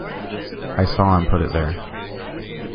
I saw him put it there.